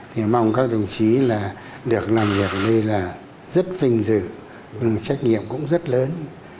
thì mong các đồng chí là được làm việc ở đây là rất vinh dự nhưng trách nhiệm cũng rất lớn